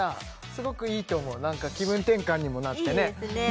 すごくいいと思う気分転換にもなってねいいですね